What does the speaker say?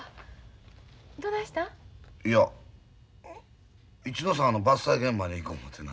いや一の沢の伐採現場に行こう思てな。